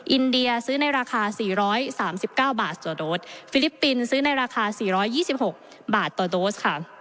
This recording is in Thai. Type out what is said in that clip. อินเดียซื้อในราคา๔๓๙บาทต่อโดสฟิลิปปินส์ซื้อในราคา๔๒๖บาทต่อโดสค่ะ